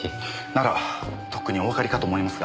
ならとっくにおわかりかと思いますが。